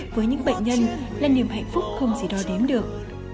với những bệnh nhân là niềm hạnh phúc không gì đói đếm được